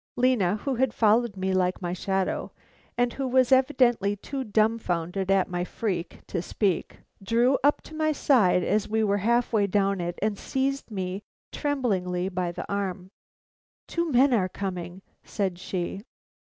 Lena, who had followed me like my shadow, and who was evidently too dumfounded at my freak to speak, drew up to my side as we were half way down it and seized me tremblingly by the arm. "Two men are coming," said she.